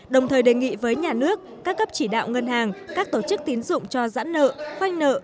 đồng thời đề nghị với nhà nước các cấp chỉ đạo ngân hàng các tổ chức tín dụng cho giãn nợ khoanh nợ